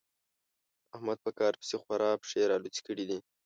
احمد په کار پسې خورا پښې رالوڅې کړې دي.